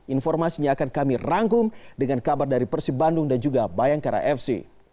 informasinya akan kami rangkum dengan kabar dari persib bandung dan juga bayangkara fc